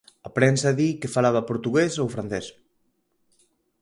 A prensa di que falaba portugués ou francés.